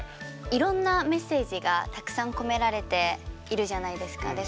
いろんなメッセージがたくさん込められているじゃないですか。